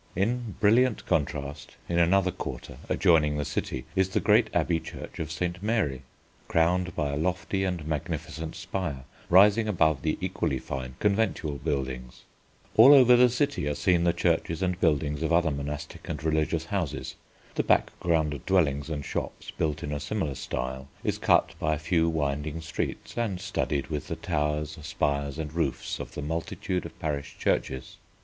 In brilliant contrast in another quarter, adjoining the city, is the great abbey church of St. Mary, crowned by a lofty and magnificent spire rising above the equally fine conventual buildings. All over the city are seen the churches and buildings of other monastic and religious houses. The background of dwellings and shops, built in a similar style, is cut by a few winding streets, and studded with the towers, spires, and roofs of the multitude of parish churches.